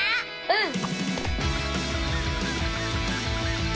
うん！